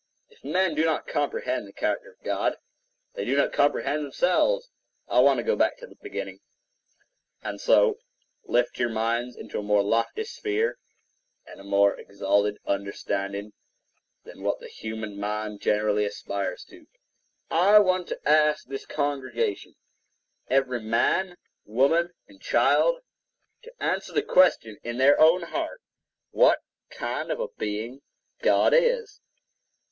If men do not comprehend the character of God, they do not comprehend themselves. I want to go back to the beginning, and so lift your minds into a more lofty sphere and a more exalted understanding than what the human mind generally aspires to. What Kind of Being Is God?[edit] I want to ask this congregation, every man, woman and child, to answer the question in their own heart, what kind of a being God is?